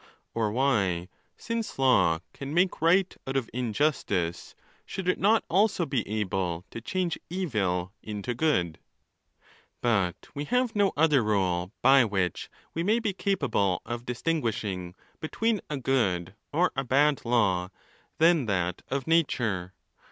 Or why, since law can make right out of injustice, should it not also be able to change evil into good ?_ But we have no other rule by which we may be capable of distinguishing between a good or a bad law than that of DE NAT. ETC. EE ) 418 ON THE LAWS. nature.